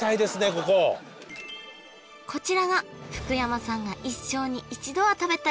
こここちらが福山さんが一生に一度は食べたい